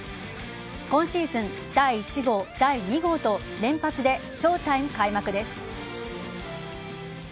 今シーズン第１号、第２号と連発でショータイム開幕です。